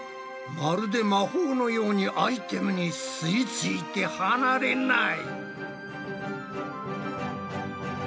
まるで魔法のようにアイテムに吸い付いて離れない！